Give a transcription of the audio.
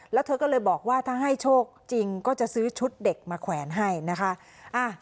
แล้วเธอก็เลยบอกว่าถ้าให้โชคจริงก็จะซื้อชุดเด็กมาแขวนให้นะคะ